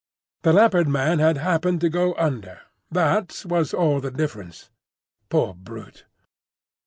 The Leopard man had happened to go under: that was all the difference. Poor brute!